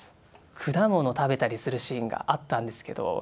果物食べたりするシーンがあったんですけど。